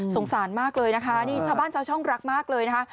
สารมากเลยนะคะนี่ชาวบ้านชาวช่องรักมากเลยนะคะ